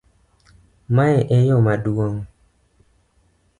Mae e yoo maduong'?